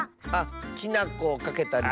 きなこをかけたりとか。